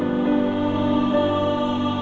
terus berutangku sayang